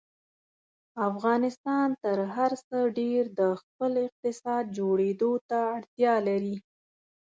افغانستان تر هر څه ډېر د خپل اقتصاد جوړېدو ته اړتیا لري.